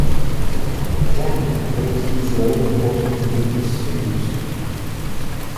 Gannon takes his law enforcement duties seriously.